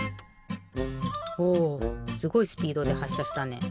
おすごいスピードではっしゃしたね。